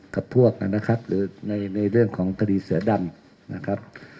กับพวกหรือในเรื่องของคดีเสือดำ